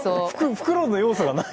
袋の要素がない！